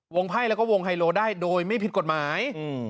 ไพ่แล้วก็วงไฮโลได้โดยไม่ผิดกฎหมาย